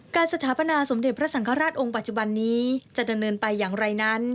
สถาปนาสมเด็จพระสังฆราชองค์ปัจจุบันนี้จะดำเนินไปอย่างไรนั้น